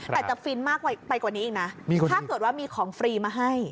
แต่จะฟินมากไปกว่านี้อีกนะถ้าเกิดว่ามีของฟรีมาให้